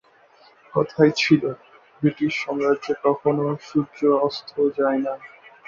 কথাই ছিল, ব্রিটিশ সাম্রাজ্যে কখনও সূর্য অস্ত যায়না।